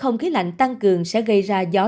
không khí lạnh tăng cường sẽ gây ra gió